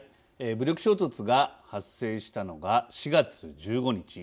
武力衝突が発生したのが４月１５日。